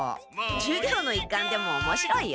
授業の一環でもおもしろいよ。